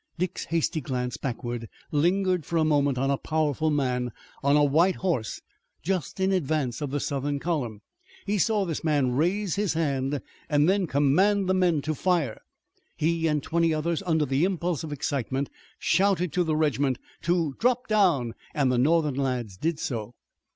Dick's hasty glance backward lingered for a moment on a powerful man on a white horse just in advance of the Southern column. He saw this man raise his hand and then command the men to fire. He and twenty others under the impulse of excitement shouted to the regiment to drop down, and the Northern lads did so.